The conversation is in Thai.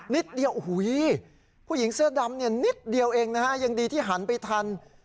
นิดเดียวโอ้โหผู้หญิงเสื้อดำเนี่ยนิดเดียวเองนะฮะยังดีที่หันไปทัน